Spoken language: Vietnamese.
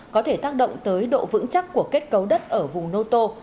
có thể tác động tới độ vững chắc của kết cấu đất ở vùng noto